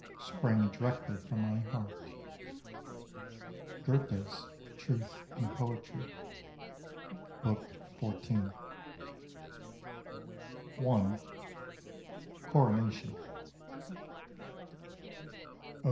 sprang directly from my heart." Goethe's "Truth and Poetry," Book XIV. I. CORONATION.